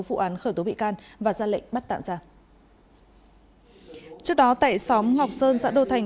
vụ án khởi tố bị can và ra lệnh bắt tạm giả trước đó tại xóm ngọc sơn xã đô thành